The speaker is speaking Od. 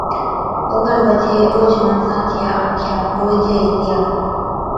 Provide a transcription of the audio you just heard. اوکن پڇي اُونھچ ماڻسا چِيا آنکِيا کولجي هِتِيا